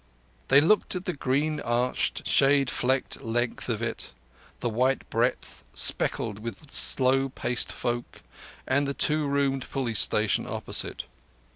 They looked at the green arched, shade flecked length of it, the white breadth speckled with slow pacing folk; and the two roomed police station opposite.